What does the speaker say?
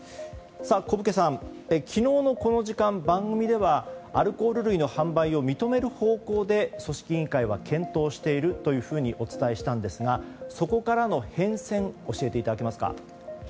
古武家さん、昨日のこの時間番組ではアルコール類の販売を認める方向で組織委員会は検討しているというふうにお伝えしたんですがそこからの変遷教えていただけますか？